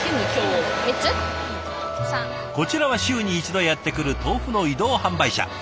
こちらは週に１度やって来る豆腐の移動販売車。